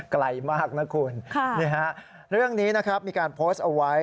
ไกลมากนะคุณนี่ฮะเรื่องนี้นะครับมีการโพสต์เอาไว้